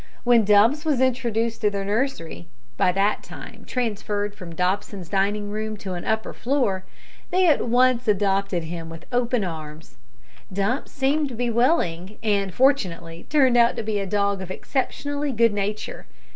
When Dumps was introduced to their nursery by that time transferred from Dobson's dining room to an upper floor they at once adopted him with open arms. Dumps seemed to be willing, and, fortunately, turned out to be a dog of exceptionally good nature.